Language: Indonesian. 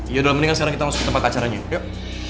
yaudah mendingan sekarang kita masuk ke tempat keacaranya yuk